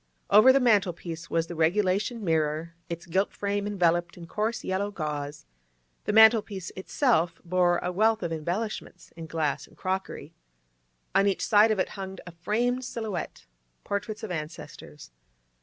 Over the mantel piece was the regulation mirror, its gilt frame enveloped in coarse yellow gauze; the mantel piece itself bore a 'wealth' of embellishments in glass and crockery. On each side of it hung a framed silhouette, portraits of ancestors.